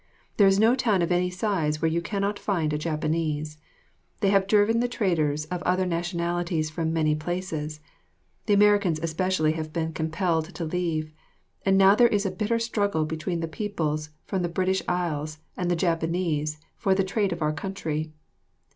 There is no town of any size where you cannot find a Japanese. They have driven the traders of other nationalities from many places; the Americans especially have been compelled to leave; and now there is a bitter struggle between the people from the British Isles and the Japanese for the trade of our country.